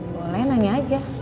boleh nanya aja